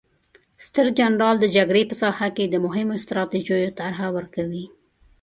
ستر جنرال د جګړې په ساحه کې د مهمو ستراتیژیو طرحه ورکوي.